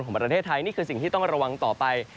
ของประเทศไทยนี่คือสิ่งที่ต้องระวังต่อไป